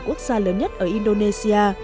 quốc gia lớn nhất ở indonesia